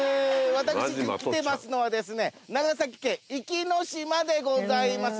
私来てますのはですね長崎県壱岐島でございます。